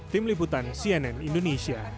tim liputan cnn indonesia